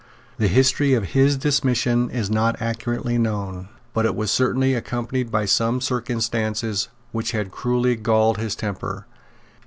The history of his dismission is not accurately known, but it was certainly accompanied by some circumstances which had cruelly galled his temper.